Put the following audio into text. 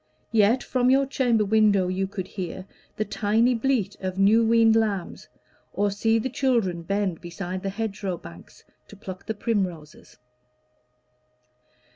Yet from your chamber window you could hear The tiny bleat of new yeaned lambs, or see The children bend beside the hedgerow banks To pluck the primroses.